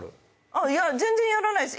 全然やらないです。